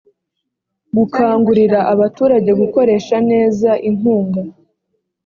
gukangurira abaturage gukoresha neza inkunga